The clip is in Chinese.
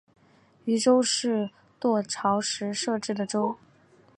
渝州是隋朝时设置的州。